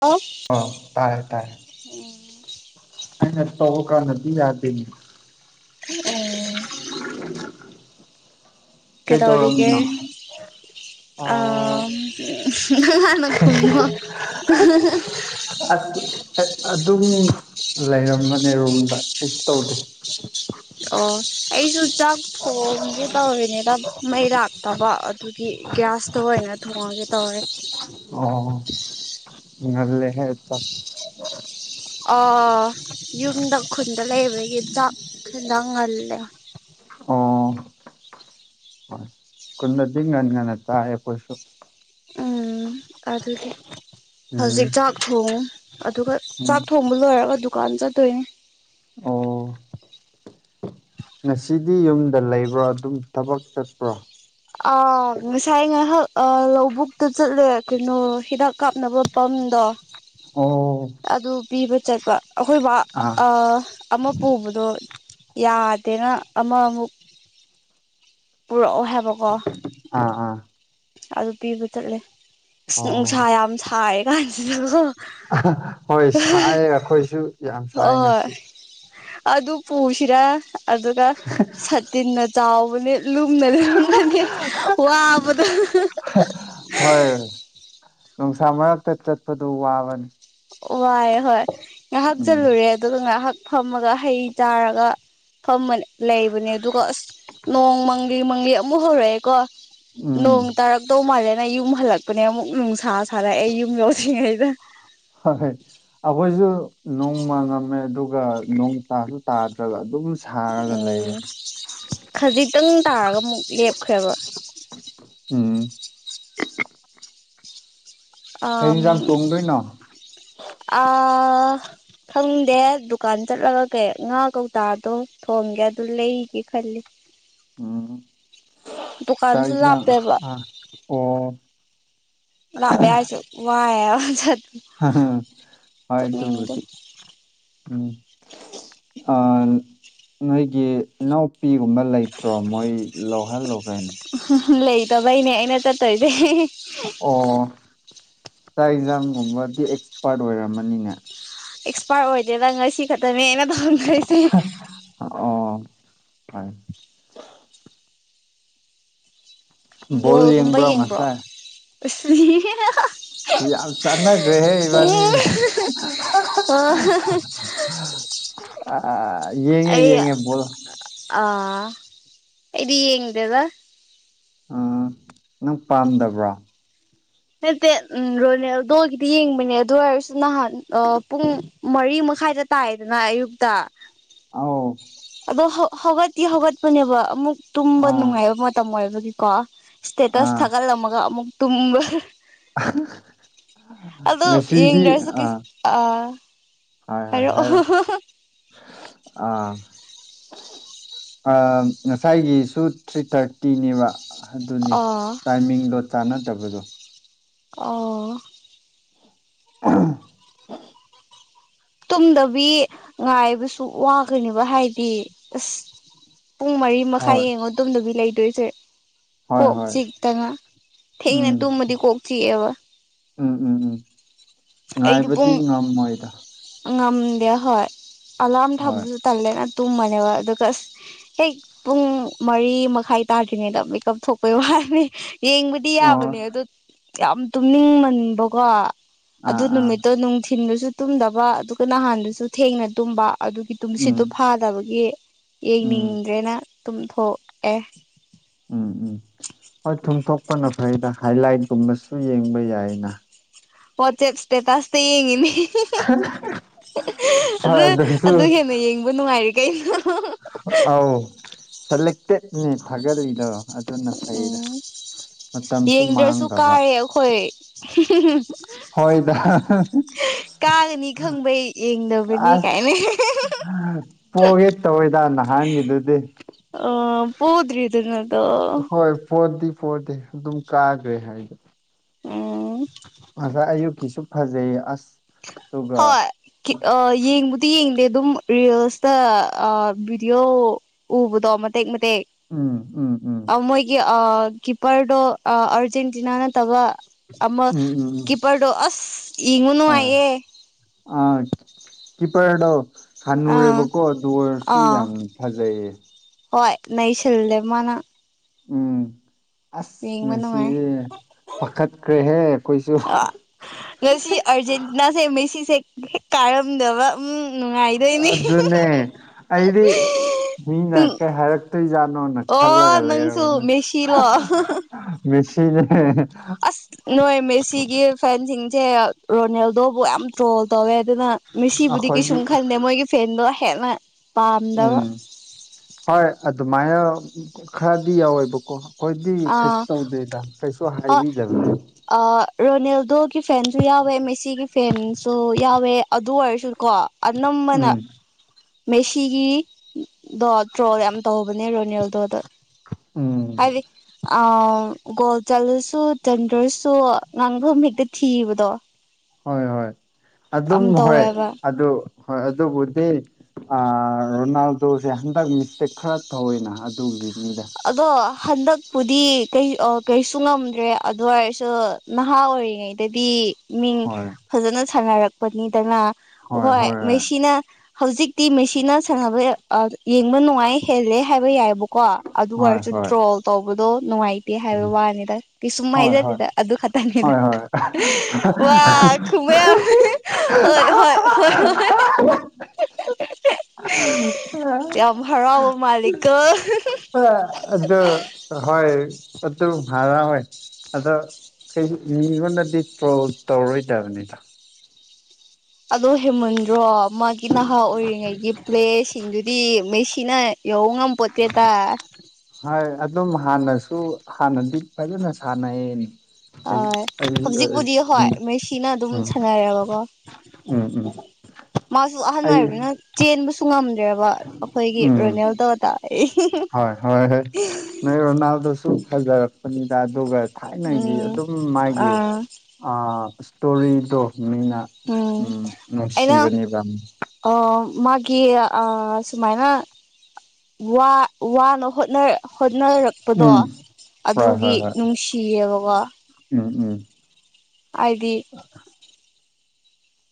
hello ꯎꯝ ꯅꯁ ꯇ ꯀꯥ ꯅ ꯌꯥꯗ ꯑꯣ ꯀꯗꯧꯔꯤꯒ ꯀꯩꯗꯧꯔꯝꯃꯤꯅꯣ ꯑ ꯑꯥ ꯂꯅ ꯈꯨꯝꯃꯣ ꯑꯁ ꯑꯗꯨꯝ ꯂꯩꯔꯝꯕꯅꯦ ꯔꯨꯝꯝꯗ ꯀꯩꯁꯨ ꯇꯧꯗꯦ ꯑꯣ ꯑꯩꯁꯨ ꯆꯥꯛ ꯊꯣꯡꯒꯦ ꯇꯧꯔꯤꯅꯤꯅ ꯃꯩꯔꯥꯛꯇꯕ ꯑꯗꯨꯒꯤ ꯒ꯭ꯌꯥꯁꯇ ꯀꯩꯅ ꯊꯣꯡꯉꯒꯦ ꯇꯧꯔꯦ ꯑꯣ ꯂꯩꯦꯠꯇ ꯑ ꯌꯨꯝꯗ ꯈꯨꯟꯗ ꯂꯩꯕꯒꯤ ꯆꯥꯛ ꯈꯤꯗꯪꯍꯜꯂꯦ [inaudible] ꯑꯣ ꯀꯟꯅꯗꯤ ꯉꯟ ꯉꯅ ꯆꯥꯌꯦ ꯄꯨꯣꯏꯁꯨ ꯑꯗꯨꯗꯤ ꯎꯝ ꯍꯧꯖꯤꯛ ꯆꯥꯛ ꯊꯣꯡꯉꯨ ꯑꯗꯨꯒ ꯎꯝ ꯆꯥꯛ ꯊꯣꯡꯕ ꯂꯣꯏꯔꯒ ꯑꯗꯨ ꯀꯜ ꯆ ꯊꯏ ꯑꯣ ꯉꯁꯤꯗꯤ ꯌꯨꯝꯗ ꯂꯩꯕ꯭ꯔꯣ ꯑꯗꯨꯝ ꯊꯕꯛ ꯆꯠꯄ꯭ꯔꯣ ꯑ ꯉꯁꯥꯏ ꯉꯥꯏꯍꯥꯛ ꯂꯧꯕꯨꯛꯇ ꯆꯠꯂꯦ ꯀꯩꯅꯣ ꯍꯤꯗꯥꯛ ꯀꯥꯞꯅꯕ ꯄꯥꯝ ꯍꯟꯗ ꯑꯣ ꯄꯤꯕ ꯆꯠꯄ ꯑꯩꯈꯣꯏ ꯑꯥ ꯑꯃ ꯄꯨꯕꯗꯣ ꯌꯥꯗꯦꯅ ꯑꯃꯃꯨꯛ ꯄꯨꯔꯛꯑꯣ ꯍꯥꯏꯕꯀꯣ ꯑꯥ ꯑꯥ ꯑꯗꯨ ꯄꯤꯕ ꯆꯠꯂꯦ ꯑꯁ ꯅꯨꯡꯁꯥ ꯑꯣ ꯌꯥꯝ ꯁꯥꯔꯦ ꯀꯥꯟꯁꯤꯗꯣ ꯍꯣꯏ ꯁꯥꯏ ꯑꯩꯈꯣꯏꯁꯨ ꯌꯥꯝ ꯁꯥꯏ ꯍꯣꯏ ꯉꯁꯤ ꯑꯗꯨ ꯄꯨꯁꯤꯔꯥ ꯑꯗꯨꯒ ꯁꯥꯇꯤꯟꯅ ꯆꯥꯎꯕꯅꯤ ꯂꯨꯝꯗꯅ ꯂꯨꯝꯃꯅꯤ ꯋꯥꯕꯗ ꯍꯣꯏ ꯅꯨꯡꯁꯥ ꯃꯔꯛꯇ ꯆꯠꯄꯗꯨ ꯋꯥꯕꯅꯤ ꯋꯥꯏ ꯍꯣꯏ ꯉꯥꯏꯍꯥꯛ ꯎꯝ ꯆꯜꯂꯨꯔꯦ ꯑꯗꯨꯒ ꯉꯥꯏꯍꯥꯛ ꯐꯝꯃꯒ ꯍꯩ ꯆꯥꯔꯒ ꯐꯝꯕꯅꯦ ꯂꯩꯕꯅꯦ ꯑꯗꯨꯒ ꯑꯁ ꯅꯣꯡ ꯃꯪꯂꯤ ꯃꯪꯂꯤ ꯑꯃꯨꯛ ꯍꯧꯔꯛꯑꯦꯀꯣ ꯎꯝ ꯅꯣꯡ ꯇꯥꯔꯛꯗꯧ ꯃꯥꯔꯦ ꯅ ꯌꯨꯝ ꯍꯜꯂꯛꯄꯅꯦ ꯑꯃꯨꯛ ꯅꯨꯡꯁꯥ ꯁꯥꯔꯛꯑꯦ ꯌꯨꯝ ꯌꯧꯁꯤꯉꯩꯗ ꯍꯣꯏꯣꯏ ꯑꯩꯈꯣꯏꯁꯨ ꯅꯣꯡꯃ ꯉꯝꯃꯦ ꯑꯗꯨꯒ ꯅꯣꯡ ꯇꯥꯁꯨ ꯇꯥꯗ꯭ꯔꯒ ꯑꯗꯨꯝ ꯁꯥꯔꯒ ꯎꯝ ꯂꯩꯌꯦ ꯈꯖꯤꯛꯇꯪ ꯇꯥꯔꯒ ꯑꯃꯨꯛ ꯂꯦꯞꯈ꯭ꯔꯦꯕ [inaudible] [inaudible] ꯑ ꯀꯩ ꯌꯦꯟꯁꯥꯡ ꯊꯣꯡꯗꯣꯏꯅꯣ ꯑ ꯈꯪꯗꯦ ꯗꯨꯀꯥꯟ ꯆꯠꯂꯒ ꯀꯩ ꯉꯥ ꯀꯧꯇꯥꯗꯣ ꯊꯣꯝꯒꯦ ꯑꯗꯨ ꯂꯩ ꯊꯦ ꯈꯂꯦ ꯎꯝ ꯆꯥꯏ꯭ꯔ ꯂꯥꯞꯄꯦꯕ ꯑ ꯑꯣ ꯂꯥꯛꯄꯦꯁꯨ ꯋꯥ ꯑ ꯍꯣꯏ ꯇ ꯍꯧꯤ ꯎꯝ ꯑ ꯅꯣꯏꯒꯤ ꯏꯅꯥꯎꯄꯤꯒꯨꯝꯕ ꯂꯩꯇ꯭ꯔꯣ ꯃꯣꯏ ꯂꯧꯍꯜꯂꯣ ꯀꯩꯅꯣ ꯂꯩꯇꯕꯩꯅꯦ ꯑꯩꯅ ꯆꯠꯇꯣꯏꯁꯦ ꯑꯦꯛꯖꯥꯝꯒꯨꯝꯕꯗꯤ ꯑꯦꯛꯁꯄꯥꯔꯠ ꯑꯣꯏꯔꯝꯃꯅꯤꯅꯦ ꯑꯦꯛꯁꯄꯥꯔ ꯑꯣꯏꯗꯦꯗ ꯉꯁꯤ ꯈꯛꯇꯅꯦ ꯑꯩꯅ ꯇꯧꯔꯝꯗꯣꯔꯤꯁꯦ ꯑꯣ [inaudible] ꯕꯣꯜ ꯕꯣꯜꯒꯨꯝꯕ ꯌꯦꯡꯕ꯭ꯔꯣ ꯉꯁꯥꯏ ꯎ ꯌꯥꯝ ꯆꯅꯒ꯭ꯔꯦꯍꯦ ꯏꯕꯅꯤ ꯑ ꯌꯦꯡꯉꯦ ꯑꯩ ꯌꯦꯡꯉꯦ ꯄꯨꯣꯣ ꯑꯥ ꯏꯗꯤ ꯌꯦꯉꯗꯦꯕ ꯎ ꯅꯪ ꯄꯥꯝꯗꯕ꯭ꯔꯣ ꯅꯠꯇꯦ ꯎꯝ ꯔꯣꯅꯦꯜꯗꯣꯒꯤꯗꯤ ꯌꯦꯡꯕꯅꯦ ꯑꯗꯨ ꯑꯣꯏꯔꯁꯨ ꯅꯍꯥꯟ ꯄꯨꯡ ꯃꯔꯤꯛ ꯈꯥꯏꯗ ꯇꯥꯏꯗꯅ ꯑꯌꯨꯛꯇ ꯑꯥꯎ ꯑꯗꯣ ꯍꯧꯒꯠꯇꯤ ꯍꯧꯒꯠꯄꯅꯦꯕ ꯑꯃꯨꯛ ꯇꯨꯝꯕ ꯑꯥ ꯅꯨꯡꯉꯥꯏꯕ ꯃꯇꯝ ꯑꯣꯏꯕꯒꯤꯀꯣ ꯁꯇꯦꯇꯁ ꯑꯥ ꯊꯒꯜ ꯃꯒ ꯑꯃꯒ ꯇꯨꯝ ꯑꯗ ꯉꯁꯤꯗꯤ ꯌꯦꯁꯨ ꯀ ꯑꯥ ꯑ ꯍꯣꯏ ꯍꯣꯏ ꯍꯥꯏꯔꯣ ꯑꯥ ꯉꯁꯥꯏꯒꯤꯁꯨ ꯊ꯭ꯔꯤ ꯊꯥꯔꯇꯤꯅꯦꯕ ꯑꯗꯨꯅꯤ ꯑꯥ ꯇꯥꯏꯃꯤꯡ ꯂꯣ ꯆꯥꯟꯅꯗꯕꯗꯣ ꯑꯣ ꯎ ꯇꯨꯝꯗꯕꯤ ꯉꯥꯏꯕꯁꯨ ꯋꯥꯈꯅꯦꯕ ꯍꯥꯏꯗꯤ ꯑꯁ ꯄꯨꯡ ꯃꯔꯤ ꯃꯈꯥꯏ ꯍꯣꯏ ꯌꯦꯡꯉꯣ ꯇꯣꯝꯗꯕꯤ ꯂꯩꯗꯣꯏꯁꯦ ꯍꯣꯏ ꯀꯣꯛ ꯍꯣꯏ ꯆꯤꯛꯇꯅ ꯊꯦꯡꯅ ꯎꯝ ꯇꯨꯝꯃꯗꯤ ꯀꯣꯛ ꯆꯤꯛꯑꯦꯕ ꯎꯝ ꯎꯝ ꯎꯝ ꯑꯩꯗꯤ ꯉꯥꯏꯕꯗꯤ ꯄꯨꯡ ꯉꯝꯃꯣꯏꯗ ꯉꯝꯗꯦ ꯍꯣꯏ ꯑꯂꯥꯝ ꯍꯣꯏ ꯊꯥꯕꯁꯨ ꯇꯥꯂꯦꯅ ꯇꯨꯝꯃꯅꯦꯕ ꯑꯗꯨꯒ ꯑꯁ ꯍꯦꯛ ꯄꯨꯡ ꯃꯔꯤ ꯃꯈꯥꯏ ꯇꯥꯗ꯭ꯔꯤꯉꯩꯗ ꯃꯦꯀꯞ ꯊꯣꯛꯄꯩ ꯋꯥꯅꯤ ꯌꯦꯡꯕꯗꯤ ꯑꯣ ꯌꯥꯕꯅꯦ ꯑꯗꯣ ꯌꯥꯝ ꯇꯨꯝꯅꯤꯡ ꯃꯟꯕꯀꯣ ꯑꯗꯨ ꯑꯥ ꯑꯥ ꯅꯨꯃꯤꯠꯇꯣ ꯅꯨꯡꯊꯤꯟꯜꯗꯨꯁꯨ ꯇꯨꯝꯗꯕ ꯑꯗꯨꯒ ꯅꯍꯥꯟꯗꯨꯁꯨ ꯊꯦꯡꯅ ꯇꯨꯝꯕ ꯑꯗꯨꯒꯤ ꯇꯨꯝꯁꯤꯠꯇꯨ ꯎꯝ ꯐꯥꯗꯕꯒꯤ ꯎꯝ ꯌꯦꯡꯅꯤꯡꯗ꯭ꯔꯦꯅ ꯇꯨꯝꯊꯣꯛꯑꯦ ꯎꯝ ꯎꯝ ꯍꯣꯏ ꯊꯨꯝꯊꯣꯛꯄꯅ ꯐꯩꯗ ꯍꯥꯏꯂꯥꯏꯠꯀꯨꯝꯕꯁꯨ ꯌꯦꯡꯕ ꯌꯥꯏꯅ ꯋꯥ ꯆꯦꯞꯁꯇꯦ ꯇꯁꯦ ꯌꯦꯡꯉꯅꯤ ꯍꯣꯏ ꯑꯗꯨ ꯑꯗꯨꯁꯨ ꯑꯗꯨ ꯍꯦꯟꯅ ꯌꯦꯡꯕ ꯅꯨꯡꯉꯥꯏꯔꯤ ꯀꯩꯅꯣ ꯑ ꯁꯂꯇꯦ ꯅ ꯊꯒꯔꯗ ꯑꯗꯨꯗ ꯅ ꯐꯩꯗ ꯎꯝ ꯃꯇꯝꯁꯨ ꯌꯦꯡꯗ꯭ꯔꯁꯨ ꯃꯥꯡꯈꯕ ꯀꯥꯔꯦ ꯑꯩꯈꯣꯏ ꯍꯣꯏꯗ ꯀꯥꯒꯅꯤ ꯈꯪꯕꯩ ꯌꯦꯡꯗꯕꯅꯤ ꯀꯥꯏꯅ ꯑꯁ ꯄꯣꯒꯦ ꯇꯧꯋꯦꯗ ꯅꯍꯥꯟꯒꯤꯗꯨꯗꯤ ꯍꯗ꯭ꯔꯤ ꯑꯗꯨ ꯅ ꯍꯣꯏ ꯄꯣꯔꯗꯤ ꯄꯣꯔꯠꯇꯗꯤ ꯑꯗꯨꯝ ꯀꯥꯈ꯭ꯔꯦ ꯍꯥꯏꯗꯣ ꯎꯝ ꯉꯁꯥꯏ ꯑꯌꯨꯛꯀꯤꯁꯨ ꯐꯖꯩꯌꯦ ꯑꯁ ꯑꯗꯨꯒ ꯍꯣꯏ ꯌꯦꯡ ꯌꯦꯡꯗꯦ ꯑꯗꯨꯝ ꯔꯤꯜꯁꯇ ꯚꯤꯗꯤꯑꯣ ꯎꯕꯗꯣ ꯃꯇꯦꯛ ꯃꯇ ꯎꯝ ꯎꯝ ꯎꯝ ꯀꯤꯄꯔꯗꯨꯣ ꯑꯔꯖꯦꯟꯇꯤꯅꯥꯅ ꯇꯕ ꯑꯃ ꯎꯝ ꯎꯝ ꯎꯝ ꯀꯤꯄꯔꯗꯣ ꯑꯁ ꯌꯦꯡꯉꯨꯅꯨꯉꯥꯏꯌꯦꯦ ꯑ ꯀ ꯄꯦꯔ ꯑꯥ ꯍꯅꯨꯔꯦꯕꯀꯣ ꯑꯗꯨ ꯑꯣꯏꯔꯁꯨ ꯑꯥ ꯌꯥꯝ ꯐꯖꯩꯌꯦ ꯍꯣꯏ ꯅꯩꯁꯤꯜꯦ ꯃꯥꯅꯥ ꯎꯝ ꯑꯁ ꯉꯁꯤ ꯅꯨꯡꯉꯥꯏ ꯄꯥꯈꯠꯈ꯭ꯔꯦꯍꯦ ꯑꯩꯈꯣꯏꯁꯨ ꯉꯁꯤ ꯑꯔꯖꯦꯟꯇꯤꯅꯥꯁꯦ ꯃꯦꯁꯤꯁꯦ ꯀꯥꯔꯝꯗꯕ ꯎ ꯑꯗꯨꯗꯅꯦ ꯑꯩꯗꯤ ꯃꯤꯅ ꯎꯝ ꯀꯩ ꯍꯥꯏꯔꯛꯇꯣꯏꯖꯥꯠꯅꯣꯅ ꯈꯜꯂꯒ ꯑꯣ ꯅꯪꯁꯨ ꯂꯩꯔꯕꯅ ꯃꯦꯁꯤꯂꯣ ꯁꯤ ꯑꯁ ꯅꯣꯏ ꯃꯦꯁꯤꯒꯤ ꯐꯦꯟꯁꯤꯡꯁꯦ ꯔꯣꯅꯦꯜꯗꯣꯕꯨ ꯌꯥꯝ ꯇ꯭ꯔꯣꯜ ꯇꯧꯋꯦ ꯑꯗꯨꯅ ꯃꯤꯁꯤꯕꯨꯗꯤ ꯑꯩꯈꯣꯏꯒꯤ ꯀꯩꯁꯨꯝ ꯈꯟꯗꯦ ꯃꯣꯏꯒꯤ ꯐꯦꯟꯗꯣ ꯍꯦꯟꯅ ꯄꯥꯝꯗꯕ ꯎꯝ ꯍꯣꯏ ꯑꯗꯨꯃꯥꯏꯅ ꯈꯔꯗꯤ ꯌꯥꯎꯋꯦꯕꯀꯣ ꯑꯩꯈꯣꯏꯗꯤ ꯀꯩꯁꯨ ꯑꯥ ꯇꯧꯗꯦꯗ ꯀꯩꯁꯨ ꯍꯣꯏ ꯍꯥꯏꯕꯤꯗꯕ ꯑꯥ ꯔꯣꯅꯦꯜꯗꯣꯒꯤ ꯐꯦꯟꯁꯨ ꯌꯥꯎꯋꯦ ꯃꯦꯁꯤꯒꯤ ꯐꯦꯟꯁꯨ ꯌꯥꯎꯋꯦ ꯑꯗꯨ ꯑꯣꯏꯔꯁꯨ ꯀꯣ ꯑꯅꯝꯕꯅ ꯎꯝ ꯃꯦꯁꯤꯒꯤ ꯗꯣ ꯇ꯭ꯔꯣꯜ ꯌꯥꯝ ꯇꯧꯕꯅꯦ ꯔꯣꯅꯦꯜꯗꯣꯗ ꯎꯝ ꯍꯥꯏꯗꯤ ꯑ ꯒꯣꯜ ꯆꯂꯨꯁꯨ ꯆꯟꯗ꯭ꯔꯁꯨ ꯉꯥꯡꯐꯝ ꯍꯦꯛꯇ ꯊꯤꯕꯗꯣ ꯍꯣꯏ ꯍꯣꯏ ꯑꯗꯨꯝ ꯌꯥꯝ ꯍꯣꯏ ꯇꯧꯋꯦꯕ ꯑꯗꯨ ꯍꯣꯏ ꯑꯗꯨꯕꯨꯗꯤ ꯑ ꯔꯣꯅꯥꯜꯗꯨꯁꯦ ꯍꯟꯗꯛ ꯃꯤꯁꯇꯦꯛ ꯈꯔ ꯊꯑꯣꯏꯅ ꯑꯗꯨꯒꯤ ꯑꯗꯣ ꯍꯟꯗꯛꯄꯨꯗꯤ ꯀꯩꯁꯨ ꯉꯝꯗ꯭ꯔꯦ ꯑꯗꯨ ꯑꯣꯏꯔꯁꯨ ꯅꯍꯥ ꯑꯣꯏꯔꯤꯉꯩꯗꯗꯤ ꯃꯤꯡ ꯍꯣꯏ ꯐꯖꯅ ꯁꯥꯟꯅꯔꯛꯄꯅꯤꯗꯅ ꯍꯣꯏ ꯃꯁꯤꯅ ꯍꯧꯖꯤꯛꯇꯤ ꯃꯦꯁꯤꯅ ꯁꯥꯟꯅꯕ ꯌꯦꯡꯕ ꯅꯨꯡꯉꯥꯏ ꯍꯦꯜꯂꯦ ꯍꯥꯏꯕ ꯌꯥꯏꯑꯕꯀꯣ ꯑꯗꯨ ꯑꯣꯏꯔꯁꯨ ꯗ꯭ꯔꯣꯜ ꯇꯧꯕꯗꯣ ꯅꯨꯡꯉꯥꯏ ꯇꯦ ꯍꯥꯏꯕ ꯋꯥꯅꯤꯗ ꯀꯩꯁꯨꯝ ꯍꯥꯏꯖꯗꯦꯗ ꯑꯗꯨ ꯈꯛꯇꯅꯤꯗ ꯋꯥ ꯍꯣꯏ ꯍꯣꯏ ꯍꯣꯏ ꯍꯣꯏ ꯌꯥꯝ ꯍꯔꯥꯎꯕ ꯃꯥꯂꯤꯀꯣ ꯑꯗꯨꯗ ꯍꯣꯏ ꯑꯠꯇ ꯐꯔ ꯑꯣꯏꯣꯏ ꯑꯗ ꯀꯩꯁꯨ ꯃꯤꯉꯣꯟꯗꯗꯤ ꯇ꯭ꯔꯣꯜ ꯇꯧꯔꯣꯏꯗꯕꯅꯤꯗ ꯑꯗꯣ ꯍꯦꯃꯟꯗ꯭ꯔꯣ ꯃꯥꯒꯤ ꯅꯍꯥ ꯑꯣꯏꯔꯤꯉꯩꯒꯤ ꯄ꯭ꯂꯦꯁꯤꯡꯗꯨꯗꯤ ꯃꯦꯁꯤꯅ ꯌꯉ ꯄꯠꯇꯦꯇ ꯍꯣꯏ ꯑꯗꯨꯝ ꯍꯥꯟꯅꯁꯨ ꯍꯥꯟꯅꯗꯤ ꯐꯖꯅ ꯁꯥꯟꯅꯩꯌꯦ ꯑꯩ ꯍꯧꯖꯤꯛꯄꯨꯗꯤ ꯍꯣꯏ ꯃꯦꯁꯤꯅ ꯑꯗꯨꯝ ꯎꯝꯝ ꯁꯥꯟꯅꯔꯦꯕꯀꯣ ꯎꯝ ꯎꯝ ꯃꯥꯁꯨ ꯑꯍꯜ ꯑꯩ ꯑꯣꯏꯔꯕꯅꯤꯅ ꯆꯦꯟꯕꯁꯨ ꯉꯝꯗ꯭ꯔꯦꯕ ꯑꯩꯈꯣꯏꯒꯤ ꯎꯝ ꯔꯣꯅꯦꯜꯗꯗ ꯍꯣꯏ ꯍꯣꯏ ꯍꯣꯏ ꯅꯔ ꯅꯅꯥꯎꯗ ꯁ ꯐꯖꯔꯛꯄꯅꯤꯗꯥ ꯑꯗꯨꯒꯣꯒ ꯊꯥꯏꯅꯒꯤ ꯎꯝ ꯑꯗꯨꯝ ꯃꯥꯒꯤ ꯑꯥ ꯏꯁꯇꯣꯔꯤꯗꯣ ꯃꯤꯅ ꯎꯝ ꯑꯩꯅ ꯅꯨꯡꯁꯤꯕꯅꯦꯕ ꯃꯥꯒꯤ ꯁꯨꯃꯥꯏꯅ ꯋꯥꯅ ꯣꯠꯅ ꯍꯣꯠꯅꯔꯛꯄꯗꯣ ꯎꯝ ꯍꯣꯏ ꯑꯗꯨꯒꯤ ꯍꯣꯏ ꯍꯣꯏ ꯅꯨꯡꯁꯤꯌꯦꯕꯀꯣ ꯎꯝ ꯎꯝ ꯍꯥꯏꯗꯤ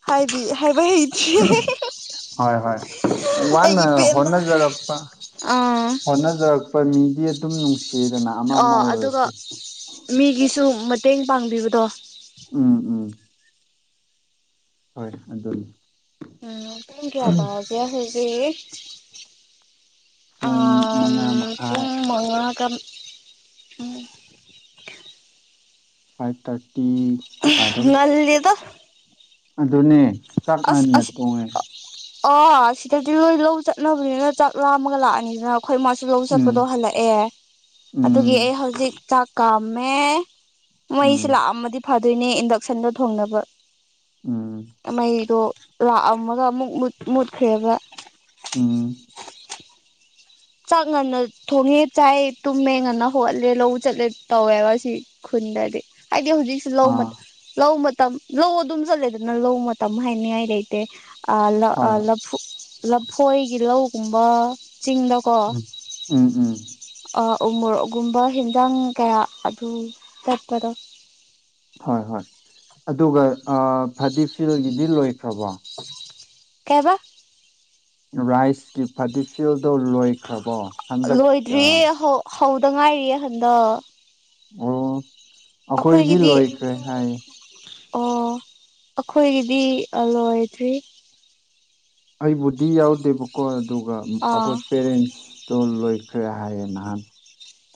ꯍꯥꯏꯗꯤ ꯍꯥꯏ ꯏꯗꯤꯦ ꯍꯣꯏ ꯍꯣꯏ ꯋꯥꯅ ꯍꯣꯠꯅꯖꯔꯛꯄ ꯑꯥ ꯍꯣꯠꯅꯖꯔꯛꯄ ꯃꯤꯗꯤ ꯑꯗꯨꯝ ꯅꯨꯡꯁꯤ ꯑꯣ ꯑꯗꯨꯒ ꯃꯤꯒꯤꯁꯨ ꯃꯇꯦꯡ ꯄꯥꯡꯕꯤꯕꯗꯣ ꯎꯝ ꯎꯝ ꯍꯣꯏ ꯑꯗꯨ ꯎꯝ ꯊ ꯀꯌꯥ ꯄ ꯀꯌꯥ ꯍꯥꯏꯒꯦ ꯑ ꯄꯨꯡ ꯃꯉꯥ ꯃꯈꯥꯏ ꯄꯨꯡ ꯃꯉꯥ ꯀ ꯑ ꯐꯥꯏꯚ ꯊꯥꯔꯇꯤ ꯇꯗꯔ ꯉꯜꯂꯤꯗ ꯑꯗꯨꯅꯦ ꯆꯥꯛ ꯃꯥꯟꯟꯅ ꯇꯣꯡꯉꯦ ꯑ ꯁꯤꯗꯗꯤ ꯂꯣꯏ ꯂꯧ ꯆꯠꯅꯕꯅꯤꯅ ꯆꯥꯛ ꯂꯥꯝꯃꯒ ꯂꯥꯛꯑꯅꯤꯗꯅ ꯑꯩꯈꯣꯏ ꯃꯥꯁꯨ ꯂꯧ ꯆꯠꯄꯗꯣ ꯎꯝ ꯍꯜꯂꯛꯑꯦ ꯑꯗꯨꯒꯤ ꯎꯝ ꯑꯩ ꯍꯧꯖꯤꯛ ꯆꯥꯛ ꯀꯥꯝꯃꯦ ꯃꯩꯁꯤꯦ ꯎꯝ ꯂꯥꯛꯑꯝꯃꯗꯤ ꯐꯥꯗꯣꯏꯅꯦ ꯏꯟꯗꯛꯁꯟꯗꯣ ꯊꯣꯡꯅꯕ ꯎꯝ ꯃꯩ ꯑꯗꯣ ꯂꯥꯛꯑꯝꯃꯒ ꯑꯃꯨꯛ ꯃꯨꯠꯈ꯭ꯔꯦꯕ ꯎꯝ ꯆꯥꯛ ꯉꯟꯅ ꯊꯣꯡꯉꯦ ꯆꯥꯏ ꯇꯨꯝꯃꯦ ꯉꯟꯅ ꯍꯧꯒꯠꯂꯦ ꯂꯧ ꯆꯠꯂꯦ ꯇꯧꯋꯦꯕ ꯁꯤ ꯗꯤ ꯍꯥꯏꯗꯤ ꯍꯧꯖꯤꯛꯁ ꯂꯧ ꯑꯥ ꯂꯧ ꯃꯇꯝ ꯂꯧ ꯑꯗꯨꯝ ꯆꯠꯂꯦꯗꯅ ꯂꯧ ꯃꯇꯝ ꯍꯥꯏꯅꯤꯡꯉꯥꯏ ꯂꯩꯇꯦ ꯍꯣꯏ ꯍꯣꯏ ꯂꯐꯨ ꯂꯐꯣꯏꯒꯤ ꯂꯧꯒꯨꯝꯕ ꯆꯤꯡꯗ ꯎꯝ ꯎꯝ ꯎꯝ ꯎꯣꯔꯣꯛꯒꯨꯝꯕ ꯍꯤꯟꯖꯥꯡ ꯀꯌꯥ ꯑꯗꯨ ꯆꯠꯄꯗꯣ ꯍꯣꯏ ꯍꯣꯏ ꯑꯗꯨꯒ ꯐꯗꯤꯐꯤꯜꯒꯤꯗꯤ ꯂꯣꯏꯈ꯭ꯔꯕꯣ ꯀꯥꯏꯕ ꯔꯥꯏꯁꯀꯤ ꯐꯗꯤꯐꯤꯜꯗꯨꯣ ꯂꯣꯏꯈ꯭ꯔꯕꯣ ꯍꯟꯗꯛ ꯂꯣꯏꯗ꯭ꯔꯤꯌꯦ ꯍꯧꯗ ꯉꯥꯏꯔꯤꯌꯦ ꯑꯍꯟꯗꯣ ꯑꯣ ꯑꯩꯈꯣꯏꯗꯤ ꯂꯣꯏꯈ꯭ꯔꯦ ꯍꯥꯏ ꯑꯣ ꯑꯩꯈꯣꯏꯒꯤꯗꯤ ꯂꯣꯏꯗ꯭ꯔꯤ ꯑꯩꯕꯨꯗꯤ ꯌꯥꯎꯗꯦꯕꯀꯣ ꯑꯗꯨꯒ ꯑꯥ ꯑꯩꯈꯣꯏ ꯄꯦꯔꯦꯟꯁ ꯇꯣ ꯂꯣꯏꯈ꯭ꯔꯦ ꯍꯥꯏꯌꯦꯦ ꯅꯍꯥꯟ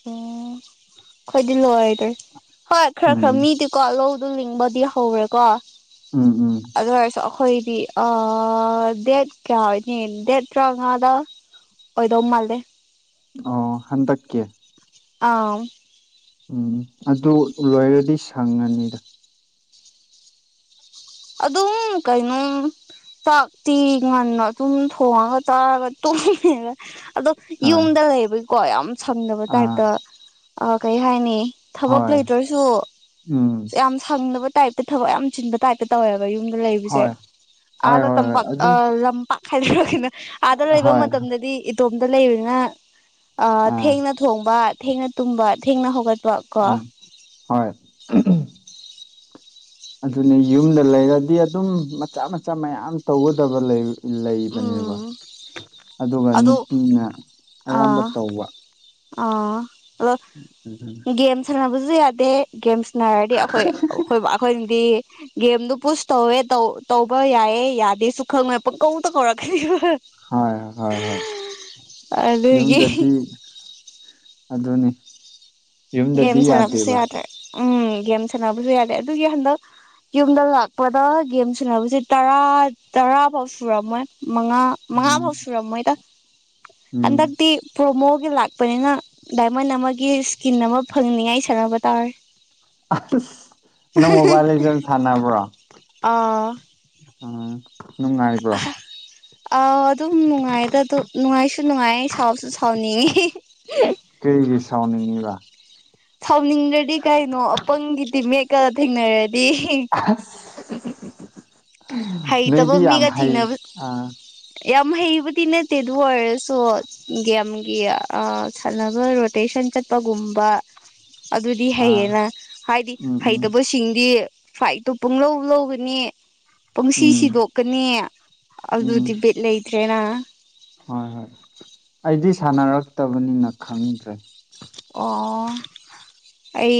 ꯑꯣ ꯑꯩꯣꯏꯗꯤ ꯂꯣꯏꯗꯣꯏ ꯍꯣꯏ ꯈꯔ ꯎꯝ ꯈꯔ ꯃꯤꯗꯤꯀꯣ ꯂꯧ ꯑꯗꯨ ꯂꯤꯡꯕꯗꯤ ꯍꯧꯔꯦꯀꯣ ꯎꯝ ꯎꯝ ꯍꯣꯏꯗꯤ ꯑ ꯗꯦꯠ ꯀ꯭ꯔꯥꯅꯦ ꯗꯦꯠ ꯇꯔꯥ ꯉꯥꯗ ꯑꯣꯏꯗꯧ ꯃꯥꯜꯂꯦ ꯑꯣ ꯍꯟꯗꯛꯀꯤꯦ ꯑꯥ ꯎꯝ ꯑꯗꯨ ꯂꯣꯏꯔꯗꯤ ꯁꯪꯉꯅꯤꯗ ꯑꯗꯨꯝ ꯀꯩꯅꯣ ꯆꯥꯛꯇꯤ ꯉꯟꯅ ꯑꯗꯨꯝ ꯊꯣꯡꯉꯒ ꯆꯥꯔꯒ ꯇꯨꯝꯃ‌ꯦꯗ ꯑꯗꯣ ꯍꯣꯏ ꯌꯨꯝꯗ ꯂꯩꯕꯩ ꯀꯣ ꯌꯥꯝ ꯁꯪꯗꯕ ꯑꯥ ꯇꯥꯏꯞꯇ ꯀꯩ ꯍꯥꯏꯅꯤ ꯊꯕꯛ ꯍꯣꯏ ꯂꯩꯇ꯭ꯔꯁꯨ ꯎꯝ ꯌꯥꯝ ꯁꯪꯗꯕ ꯇꯥꯏꯞꯇ ꯊꯕꯛ ꯌꯥꯝ ꯆꯤꯟꯕ ꯇꯥꯏꯞꯇ ꯇꯧꯋꯦꯕ ꯌꯨꯝꯗ ꯂꯩꯕꯁꯦ ꯍꯣꯏ ꯍꯣꯏ ꯑꯥꯗ ꯍꯣꯏ ꯍꯣꯏ ꯇꯝꯄꯥꯛ ꯑꯗꯨꯝ ꯑꯥ ꯂꯝꯄꯥꯛ ꯍꯥꯏꯗꯔ ꯀꯩꯅ‌ꯣ ꯑꯥꯗ ꯂꯩꯕ ꯍꯣꯏ ꯃꯇꯝꯗꯗꯤ ꯏꯇꯣꯝꯇ ꯂꯩꯕꯅꯤꯅ ꯑ ꯑꯥ ꯊꯦꯡꯅ ꯊꯣꯡꯕ ꯊꯦꯡꯅ ꯇꯨꯝꯕ ꯊꯦꯡꯅ ꯍꯧꯒꯠꯄ ꯀꯣ ꯎꯝ ꯍꯣꯏ ꯑꯗꯨꯅꯤ ꯌꯨꯝꯗ ꯂꯩꯔꯗꯤ ꯑꯗꯨꯝ ꯃꯆꯥ ꯃꯆꯥ ꯃꯌꯥꯝ ꯇꯧꯒꯗꯕ ꯂꯩꯕ ꯂꯩꯕꯅꯦꯕ ꯎꯝ ꯑꯗꯨꯒ ꯑꯗꯣ ꯅꯨꯄꯤꯅ ꯑꯌꯥꯝꯕ ꯑꯥ ꯇꯧꯕ ꯑꯥ ꯑꯗꯣ ꯎꯝ ꯑꯗꯨꯅ ꯒꯦꯝ ꯁꯥꯟꯅꯕꯁꯨ ꯌꯥꯗꯦ ꯒꯦꯝ ꯁꯥꯟꯅꯔꯗꯤ ꯑꯩꯈꯣꯏ ꯑꯩꯈꯣꯏ ꯕ ꯑꯩꯈꯣꯏ ꯗꯤ ꯒꯦꯝꯗꯨ ꯄꯨꯁ ꯇꯧꯋ‌ꯦ ꯇꯧꯕ ꯌꯥꯏꯑꯦ ꯌꯥꯗꯦꯁꯨ ꯈꯪꯉꯣꯏ ꯄꯪꯀꯧꯇ ꯀꯧꯔꯛꯀꯅꯤꯕ ꯍꯣꯏ ꯍꯣꯏ ꯍꯣꯏ ꯑꯗꯨꯒꯤ ꯌꯨꯝꯗꯗꯤ ꯑꯗꯨꯅꯤ ꯒꯦꯝ ꯌꯨꯝꯗꯗꯤ ꯁꯥꯟꯅꯕꯁꯨ ꯌꯥꯗꯦꯕ ꯌꯥꯗ꯭ꯔꯦ ꯎꯝ ꯒꯦꯝ ꯁꯥꯟꯅꯕꯁꯨ ꯌꯥꯗ‌ꯦ ꯑꯗꯨꯒꯤ ꯍꯟꯗꯛ ꯌꯨꯝꯗ ꯂꯥꯛꯄꯗ ꯒꯦꯝ ꯁꯟꯅꯕꯁꯦ ꯇꯔꯥ ꯇꯔꯥꯐꯥꯎ ꯁꯨꯔꯝꯃꯣꯏ ꯃꯉꯥ ꯃꯉꯥ ꯐꯥꯎ ꯎꯝ ꯁꯨꯔꯝꯃꯣꯏꯗ ꯎꯝ ꯍꯟꯗꯛꯇꯤ ꯄ꯭ꯔꯣꯃꯣ ꯂꯥꯛꯄꯅꯤꯅ ꯗꯥꯏꯃꯟ ꯑꯃꯒꯤ ꯏꯁꯀꯤꯟ ꯑꯃ ꯐꯪꯅꯤꯉꯥꯏ ꯁꯥꯟꯅꯕ ꯇꯥꯔꯦ ꯑꯁ ꯅꯪ ꯃꯣꯕꯥꯏꯜ ꯂꯤꯖ‌ꯦꯟ ꯁꯥꯟꯅꯕ꯭ꯔꯣ ꯑꯥ ꯎꯝ ꯅꯨꯡꯉꯥꯏꯕ꯭ꯔꯣ ꯑꯧ ꯑꯗꯨꯝ ꯅꯨꯡꯉꯥꯏꯗ ꯗꯨ ꯅꯨꯡꯉꯥꯏꯁꯨ ꯅꯨꯡꯉꯥꯏ ꯁꯥꯎꯁꯨ ꯁꯥꯎꯅꯤꯡꯉꯤ ꯀꯔꯤꯒꯤ ꯁꯥꯎꯅꯤꯡꯉꯤꯕ ꯁꯥꯎꯅꯤꯡꯗ꯭ꯔꯗꯤ ꯀꯩꯅꯣ ꯑꯄꯪꯒꯤ ꯇꯤꯝꯃꯦꯠꯀ ꯊꯦꯡꯅꯔꯗꯤ ꯍꯩꯇꯕ ꯅꯣꯏꯗꯤ ꯌꯥꯝ ꯃꯤꯒ ꯍꯩ ꯊꯦꯡꯅꯕ ꯑꯥ ꯌꯥꯝ ꯍꯩꯕꯗꯤ ꯅꯠꯇꯦ ꯑꯗꯨ ꯑꯣꯏꯔꯁꯨ ꯒꯦꯝꯒꯤ ꯁꯥꯟꯅꯕ ꯔꯣꯇꯦꯁꯟ ꯆꯠꯄꯒꯨꯝꯕ ꯑꯗꯨꯗꯤ ꯑꯥ ꯍꯩꯌꯦꯅ ꯍꯥꯏꯗꯤ ꯎꯝ ꯎꯝ ꯍꯩꯇꯕꯁꯤꯡꯗꯤ ꯐꯥꯏꯠꯗꯣ ꯄꯨꯡ ꯂꯧ ꯂꯧꯒꯅꯤ ꯄꯪꯁꯤ ꯎꯝ ꯁꯤꯗꯣꯛꯀꯅꯤ ꯎꯝ ꯑꯗꯨꯗꯤ ꯕꯤꯠ ꯂꯩꯇ꯭ꯔꯦꯅ ꯍꯣꯏ ꯍꯣꯏ ꯑꯩꯗꯤ ꯁꯥꯟꯅꯔꯛꯇꯕꯅꯤꯅ ꯈꯪꯗ꯭ꯔꯦ ꯑꯣ ꯑꯩ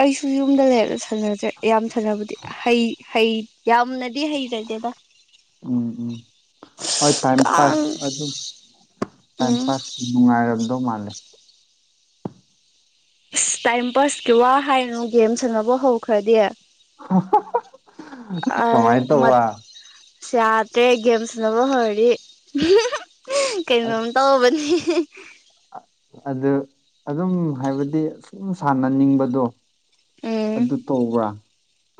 ꯑꯩꯁꯨ ꯌꯨꯝꯗ ꯂꯩꯔꯒ ꯁꯥꯟꯅꯗꯔꯦ ꯌꯥꯝ ꯁꯟꯅꯕꯗꯤ ꯍꯩ ꯍꯩ ꯌꯥꯝꯅꯗꯤ ꯍꯩꯖꯗꯦꯗ ꯎꯝ ꯎꯝ ꯍꯣꯏ ꯇꯥꯏꯝ ꯀꯥꯡ ꯄꯥꯁ ꯑꯗꯨꯝ ꯇꯥꯏꯝ ꯎꯝ ꯄꯥꯁꯀꯤ ꯅꯨꯡꯉꯥꯏꯔꯝꯗꯧ ꯃꯥꯜꯂꯦ ꯑꯁ ꯇꯥꯏꯝ ꯄꯥꯁꯀꯤ ꯋꯥ ꯍꯥꯏꯅꯨ ꯒꯦꯝ ꯁꯥꯟꯅꯕ ꯍꯧꯈ꯭ꯔꯗꯤ [unintelligible] ꯀꯃꯥꯏ ꯃꯠ ꯇꯧꯕ ꯌꯥꯗ꯭ꯔꯦ ꯒꯦꯝ ꯁꯟꯅꯕ ꯍꯧꯔꯗꯤ ꯀꯩꯅꯣꯝ ꯑꯁ ꯇꯧꯕꯅꯤ [unintelligible] ꯑꯗꯨ ꯑꯗꯨꯝ ꯍꯥꯏꯕꯗꯤ ꯁꯨꯝ ꯁꯥꯟꯅꯅꯤꯡꯕꯗꯣ ꯎꯝ ꯑꯗꯨ ꯇꯧꯕ꯭ꯔꯥ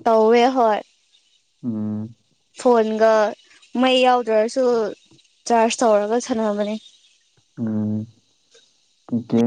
ꯇꯧꯋꯦ ꯍ‌ꯣꯏ ꯎꯝ ꯐꯣꯟꯒ ꯃꯩ ꯌꯥꯎꯗ꯭ꯔꯁꯨ ꯆꯥꯔꯖ ꯇꯧꯔꯒ ꯁꯥꯟꯅꯕꯅꯦ ꯎꯝ ꯒ‌ꯦꯝ